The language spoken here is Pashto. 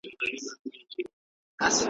نه په غېږ کي د ځنګله سوای ګرځیدلای `